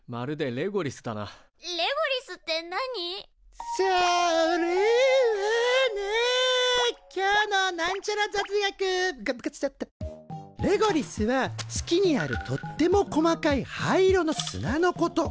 レゴリスは月にあるとっても細かい灰色の砂のこと。